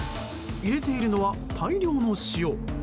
入れているのは大量の塩。